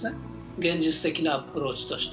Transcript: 現実的なアプローチとして。